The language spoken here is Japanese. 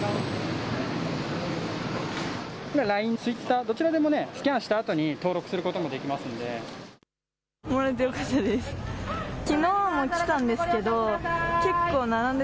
ＬＩＮＥ、ツイッターどちらでもスキャンしたあとに登録することができますので。